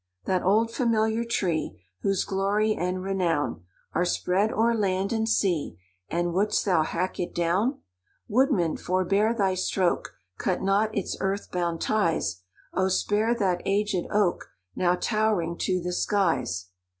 "That old familiar tree, Whose glory and renown Are spread o'er land and sea, And wouldst thou hack it down? Woodman, forbear thy stroke! Cut not its earth bound ties; Oh spare that aged oak, Now towering to the skies!